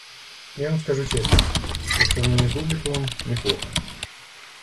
Я Вам скажу честно: по сравнению с Бубликовым - неплохо.